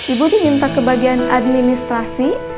ibu diminta ke bagian administrasi